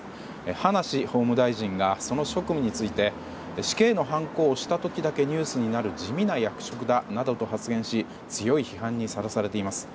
葉梨法務大臣がその職務について死刑のはんこを押した時だけニュースになる地味な役職だなどと発言し強い批判にさらされています。